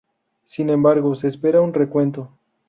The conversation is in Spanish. Sin embargo, se espera un recuento.